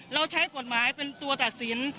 เราใช้กฎหมายเป็นตัวตัดสิน